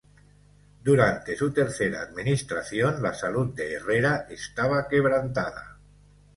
Durante su tercera administración la salud de Herrera estaba quebrantada.